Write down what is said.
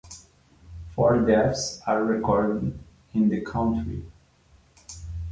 Four deaths are recorded in the country.